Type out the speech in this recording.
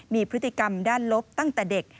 มีพฤติกรรมด้านลบตั้งแต่เด็ก